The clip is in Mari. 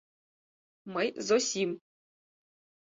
— Мый, Зосим!